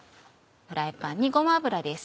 フライパンにごま油です。